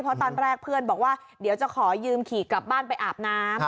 เพราะตอนแรกเพื่อนบอกว่าเดี๋ยวจะขอยืมขี่กลับบ้านไปอาบน้ำ